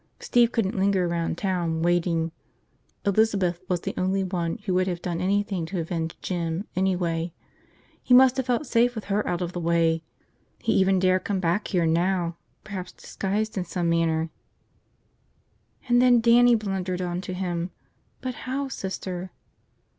Steve couldn't linger around town, waiting. Elizabeth was the only one who would have done anything to avenge Jim, anyway. He must have felt safe with her out of the way. He even dared come back here now, perhaps disguised in some manner." "And then Dannie blundered onto him. But how, Sister?"